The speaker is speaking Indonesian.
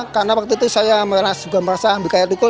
karena waktu itu saya juga merasa ambil kaya tukul